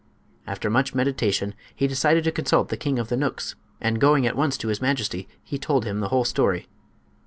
After much meditation he decided to consult the king of the knooks, and going at once to his majesty he told him the whole story.